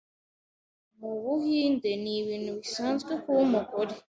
Mu Buhinde ni ibintu bisanzwe kuba umugore